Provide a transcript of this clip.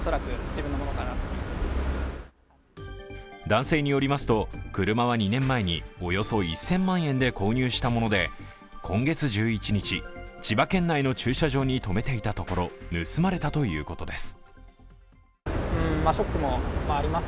男性によりますと車は２年前におよそ１０００万円で購入したもので今月１１日千葉県内の駐車場に止めていたところ、盗まれたということです。